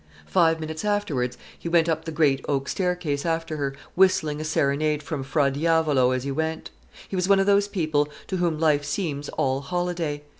Five minutes afterwards, he went up the great oak staircase after her, whistling a serenade from Fra Diavolo as he went. He was one of those people to whom life seems all holiday.